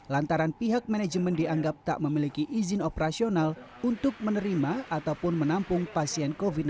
lantaran pihak manajemen dianggap tak memiliki izin operasional untuk menerima ataupun menampung pasien covid sembilan belas